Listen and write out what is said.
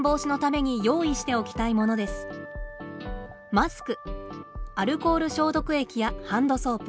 マスクアルコール消毒液やハンドソープ。